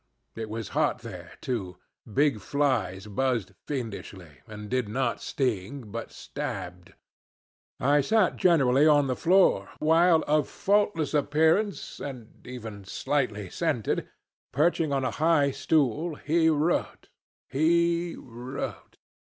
It was hot there too; big flies buzzed fiendishly, and did not sting, but stabbed. I sat generally on the floor, while, of faultless appearance (and even slightly scented), perching on a high stool, he wrote, he wrote.